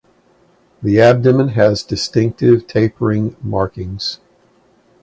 The abdomen has distinctive tapering markings.